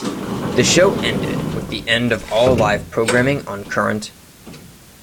The show ended with the end of all live programming on Current.